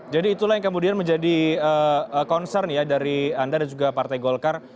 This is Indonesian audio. jadi itulah yang kemudian menjadi concern ya dari anda dan juga partai golkar